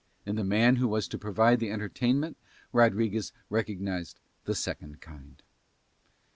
In the man who was to provide the entertainment Rodriguez recognised the second kind.